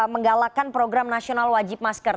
menggalakan program nasional wajib masker